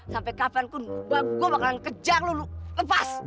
sampai kapanpun gue bakalan kejar lo lo lepas